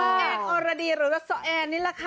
น้องเอกอรดีหรือสแอนนี่ล่ะค่ะ